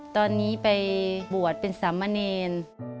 ตอนนี้ไปบวชเป็นสามเมอร์เนน